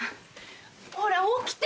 ほら起きて。